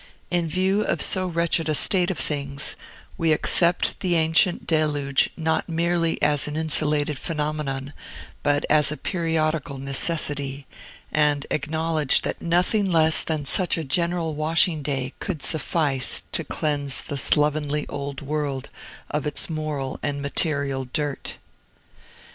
In view of so wretched a state of things, we accept the ancient Deluge not merely as an insulated phenomenon, but as a periodical necessity, and acknowledge that nothing less than such a general washing day could suffice to cleanse the slovenly old world of its moral and material dirt.